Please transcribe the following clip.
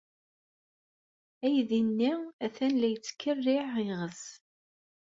Aydi-nni atan la yettkerriɛ iɣes.